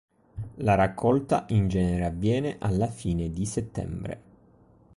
La raccolta in genere avviene alla fine di settembre.